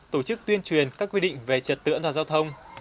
tổ chức tuyên truyền các quy định về trật tự an toàn giao thông